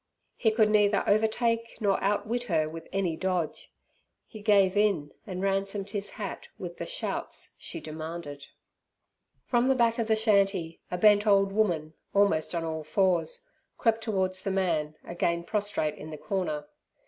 He could neither overtake nor outwit her with any dodge. He gave in, and ransomed his hat with the "shouts" she demanded. From the back of the shanty, a bent old woman, almost on all fours, crept towards the man, again prostrate in the corner.